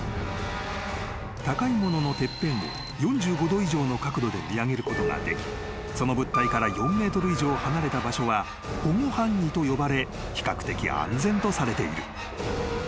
［高いもののてっぺんを４５度以上の角度で見上げることができその物体から４ｍ以上離れた場所は保護範囲と呼ばれ比較的安全とされている］